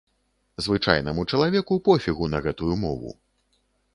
Звычайнаму чалавеку пофігу на гэтую мову.